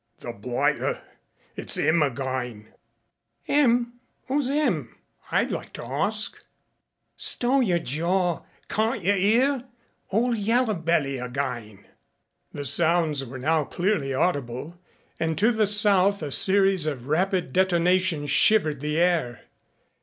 "The blighter! It's 'im agayn." "'Im! 'Oo's 'im, I'd like to arsk?" "Stow yer jaw, cawn't yer 'ear? Ole Yaller belly, agayn." The sounds were now clearly audible and to the south a series of rapid detonations shivered the air.